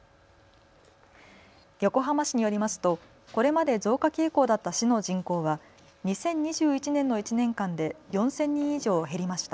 横浜市によりますとこれまで増加傾向だった市の人口は２０２１年の１年間で４０００人以上、減りました。